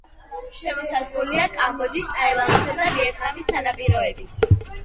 შემოსაზღვრულია კამბოჯის, ტაილანდისა და ვიეტნამის სანაპიროებით.